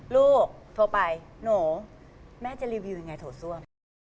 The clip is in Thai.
ลูกโทรไปหนูแม่จะรีวิวยังไงโถส้วม